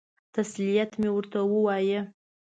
تسلیت مې ورته ووایه.